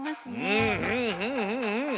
うんうんうんうんうん。